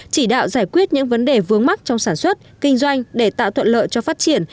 chỉ đạo giải quyết những vấn đề vướng mắc trong sản xuất kinh doanh để tạo thuận lợi cho phát triển